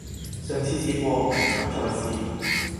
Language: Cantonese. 上次試過，唔敢再試